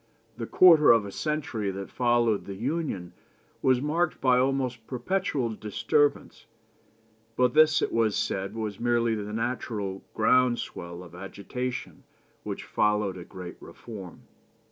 The quarter of a century that followed the Union was marked by almost perpetual disturbance; but this it was said was merely the natural ground swell of agitation which followed a great reform.